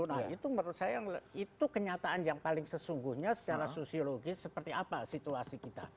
nah itu menurut saya itu kenyataan yang paling sesungguhnya secara sosiologis seperti apa situasi kita